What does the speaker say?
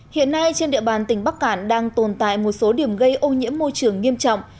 hiện nay trên địa bàn tỉnh bắc cạn đang tồn tại một số điểm gây ô nhiễm môi trường nghiêm trọng